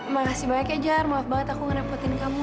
makasih banyak ya jar maaf banget aku ngerepotin kamu